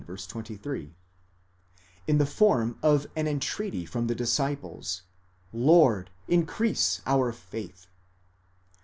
23), in the form of an entreaty from the disciples: Lord, increase our faith.